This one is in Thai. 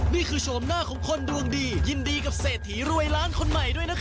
โฉมหน้าของคนดวงดียินดีกับเศรษฐีรวยล้านคนใหม่ด้วยนะคะ